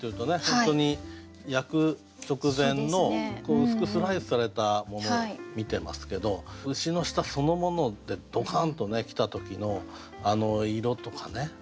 本当に焼く直前の薄くスライスされたものを見てますけど牛の舌そのものでドカン！と来た時のあの色とかね